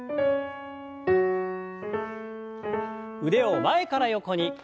腕を前から横に。